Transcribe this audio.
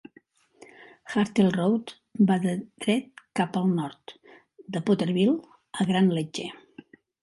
Hartel Road va de dret cap al nord, de Potterville a Grand Ledge.